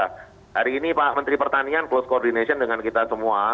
hari ini pak menteri pertanian close coordination dengan kita semua